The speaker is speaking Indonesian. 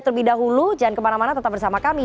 terlebih dahulu jangan kemana mana tetap bersama kami